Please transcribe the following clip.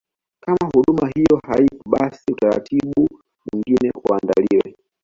Kama huduma hiyo haipo basi utaratibu mwingine uandaliwe